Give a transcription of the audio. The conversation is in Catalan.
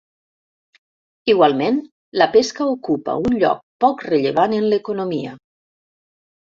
Igualment la pesca ocupa un lloc poc rellevant en l'economia.